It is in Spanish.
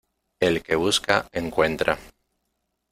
El que busca encuentra.